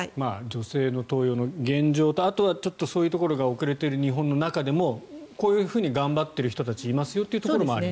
女性の登用の現状とあとはそういうところが遅れている日本の中でもこういうふうに頑張っている人たちもいますよというのもありますね。